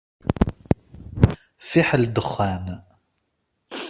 Fiḥel dexxan!